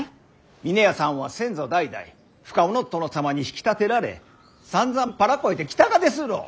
峰屋さんは先祖代々深尾の殿様に引き立てられさんざんっぱら肥えてきたがですろう？